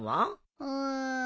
うん。